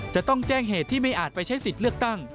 จะต้องแจ้งเหตุที่ไม่อาจไปใช้สิทธิ์เลือกตั้ง